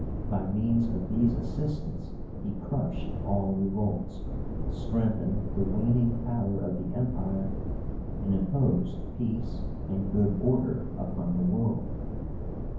By means of these assistants he crushed all revolts, strengthened the waning power of the Empire, and imposed peace and good order upon the world.